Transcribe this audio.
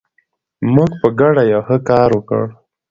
موږ په ګډه یو ښه کار وکړ.